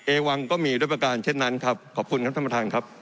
วังก็มีด้วยประการเช่นนั้นครับขอบคุณครับท่านประธานครับ